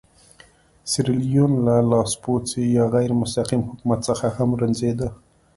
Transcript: سیریلیون له لاسپوڅي یا غیر مستقیم حکومت څخه هم رنځېده.